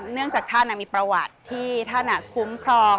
เนื่องจากท่านมีประวัติที่ท่านคุ้มครอง